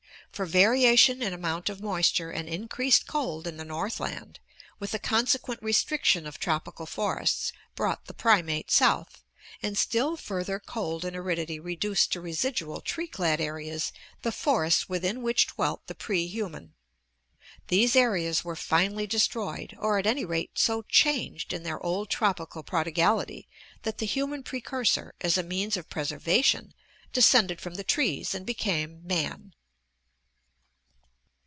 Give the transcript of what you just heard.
For variation in amount of moisture and increased cold in THE PULSE OF LIFE 691 the north land, with the consequent restriction of tropical forests, brought the primates south, and still further cold and aridity re duced to residual tree clad areas the forests within which dwelt the pre human. These areas were finally destroyed, or at any rate so changed in their old tropical prodigality that the human precursor, as a means of preservation, descended from the trees and became man.